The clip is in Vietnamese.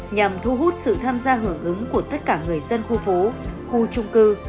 nhằm thu hút sự tham gia hưởng ứng của tất cả người dân khu phố khu trung cư